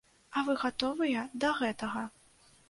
А вы гатовыя да гэтага?